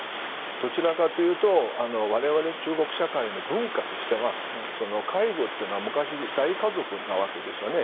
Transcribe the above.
どちらかというと我々、中国社会の文化としては介護というのは昔、大家族なわけですよね。